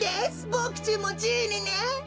ボクちんもじいにね。